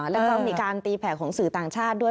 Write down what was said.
แล้วก็มีการตีแผ่ของสื่อต่างชาติด้วย